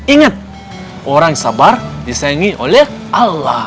ingat orang sabar disaingi oleh allah